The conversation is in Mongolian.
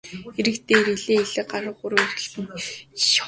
Эрэг дээр элээ хэрээ галуу гурав эргэлдэнэ.